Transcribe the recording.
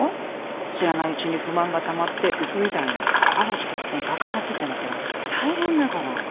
知らないうちに不満がたまってうちみたいにある日突然爆発ってなったら大変だから。